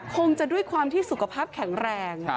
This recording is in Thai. คงจะด้วยความที่สุขภาพแข็งแรง